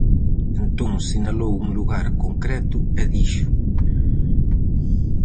Entón sinalou un lugar concreto e dixo: